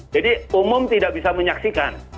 jadi umum tidak bisa menyaksikan